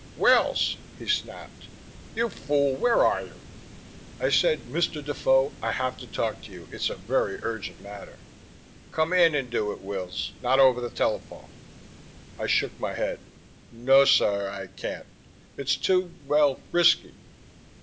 "Wills!" he snapped. "You fool! Where are you?" I said, "Mr. Defoe, I have to talk to you. It's a very urgent matter." "Come in and do it, Wills! Not over the telephone." I shook my head. "No, sir. I can't. It's too, well, risky."